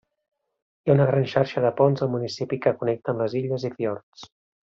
Hi ha una gran xarxa de ponts al municipi que connecten les illes i fiords.